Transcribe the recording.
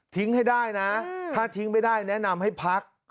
ให้ได้นะถ้าทิ้งไม่ได้แนะนำให้พัก